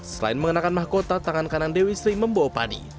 selain mengenakan mahkota tangan kanan dewi sri membawa padi